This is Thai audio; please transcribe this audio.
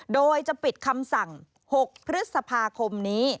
โดยจะปิดคำสั่ง๖พฤษภาคมนี้